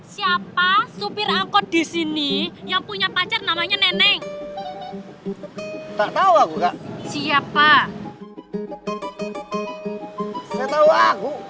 siapa supir angkot di sini yang punya pacar namanya neneng tak tahu siapa